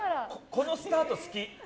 このスタート好き。